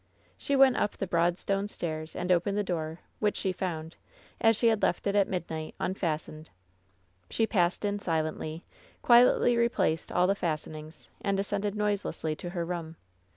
She went up the broad stone stairs and opened Ae door, which she found, as she had left it at midnight, unfastened. She passed in silently, quietly replaced all the fasten ings, and ascended noiselessly to her room.